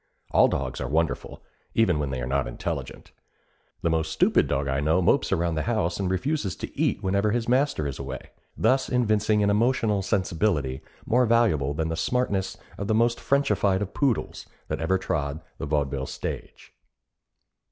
All dogs are wonderful, even when they are not intelligent. The most stupid dog I know mopes around the house and refuses to eat whenever his master is away, thus evincing an emotional sensibility more valuable than the smartness of the most Frenchified of poodles that ever trod the vaudeville stage.